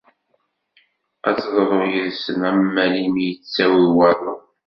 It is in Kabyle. Ad teḍru yid-sen am walim yettawi waḍu.